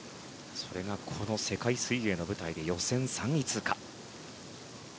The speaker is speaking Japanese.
それがこの世界水泳の舞台で予選３位通過。